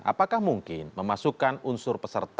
apakah mungkin memasukkan unsur peserta